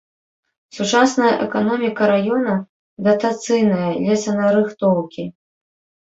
Сучасная эканоміка раёна датацыйная, лесанарыхтоўкі.